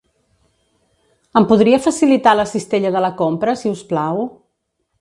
Em podria facilitar la cistella de la compra, si us plau?